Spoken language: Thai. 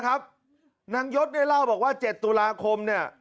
นางยศเนี่ยเล่าบอกว่า๗ตุลาคมเนี่ย